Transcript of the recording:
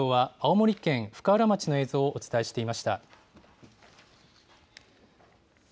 テレビの映像は青森県深浦町の映像をお伝えしていました。